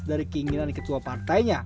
dari keinginan ketua partainya